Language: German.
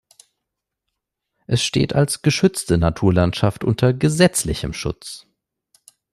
Es steht als geschützte Naturlandschaft unter gesetzlichem Schutz.